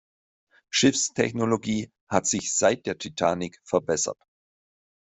Schiffstechnologie hat sich seit der Titanic verbessert.